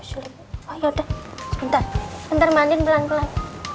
oh ya udah bentar mandiin pelan pelan